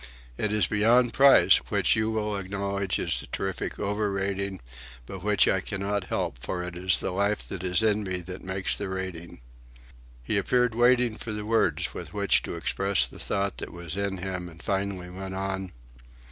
It is beyond price, which you will acknowledge is a terrific overrating, but which I cannot help, for it is the life that is in me that makes the rating." He appeared waiting for the words with which to express the thought that was in him, and finally went on.